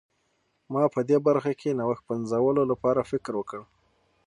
ما په دې برخه کې نوښت پنځولو لپاره فکر وکړ.